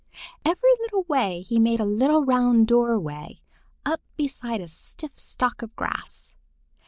Every little way he made a little round doorway up beside a stiff stalk of grass.